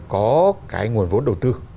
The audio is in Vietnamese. có cái nguồn vốn đầu tư